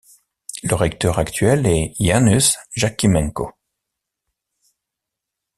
Le recteur actuel est Jaanus Jakimenko.